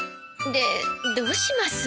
でどうします？